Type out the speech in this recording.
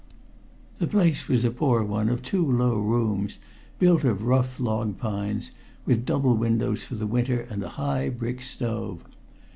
The place was a poor one of two low rooms, built of rough log pines, with double windows for the winter and a high brick stove.